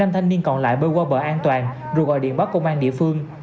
năm thanh niên còn lại bơi qua bờ an toàn rồi gọi điện báo công an địa phương